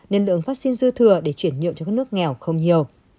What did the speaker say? nên lượng vaccine dư thừa để chuyển nhượng cho các nước nghèo không nhiều